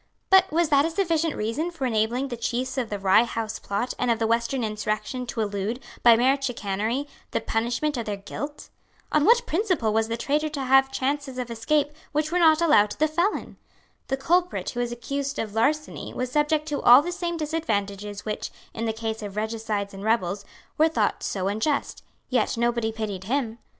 But was that a sufficient reason for enabling the chiefs of the Rye House Plot and of the Western Insurrection to elude, by mere chicanery, the punishment of their guilt? On what principle was the traitor to have chances of escape which were not allowed to the felon? The culprit who was accused of larceny was subject to all the same disadvantages which, in the case of regicides and rebels, were thought so unjust; ye nobody pitied him.